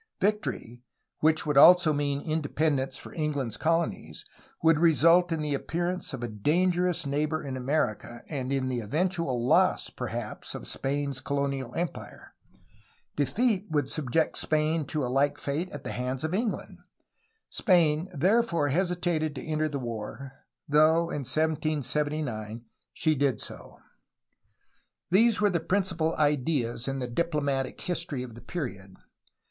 Victory, which would also mean independence for England's colonies, would result in the appearance of a dan gerous neighbor in America and in the eventual loss, perhaps, of Spain's colonial empire. Defeat would subject Spain to a like fate at the hands of England. Spain therefore hesitated to enter the war, though in 1779 she did so. These were the principal ideas in the diplomatic history of the period.